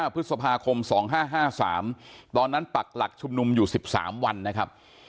พฤษภาคม๒๕๕๓ตอนนั้นปักหลักชุมนุมอยู่๑๓วันนะครับ